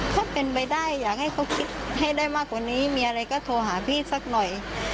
ถ้าเป็นไปได้อยากให้เขาคิดให้ได้มากกว่านี้มีอะไรก็โทรหาพี่สักหน่อย